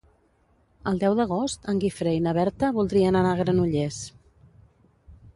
El deu d'agost en Guifré i na Berta voldrien anar a Granollers.